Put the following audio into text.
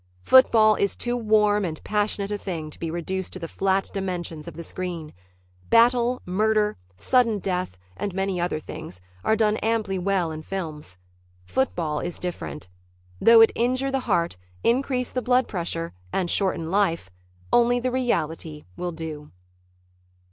Football is too warm and passionate a thing to be reduced to the flat dimensions of the screen. Battle, murder, sudden death and many other things are done amply well in films. Football is different. Though it injure the heart, increase the blood pressure and shorten life, only the reality will do.